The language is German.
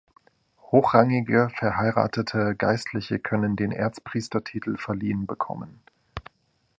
Hochrangige verheiratete Geistliche können den Erzpriestertitel verliehen bekommen.